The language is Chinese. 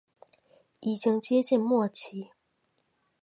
已经接近末期